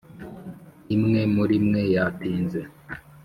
imwe murimwe yatinze